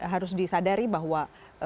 harus disadari bahwa